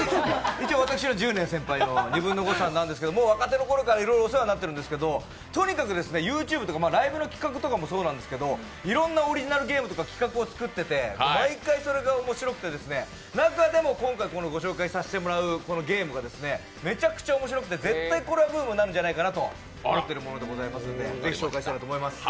一応、私よりも１０年先輩のニブンノゴ！さんですけどもう若手のころからいろいろお世話になってるんですけどとにかくＹｏｕＴｕｂｅとかライブの企画とかもそうなんですけど、いろんなオリジナルゲームとか企画を作ってて、毎回それが面白くて、中でも今回ご紹介させていただくこのゲームがめちゃくちゃ面白くて絶対これはブームになるんじゃないかなと思っているものでございますのでぜひ紹介したいなと思います。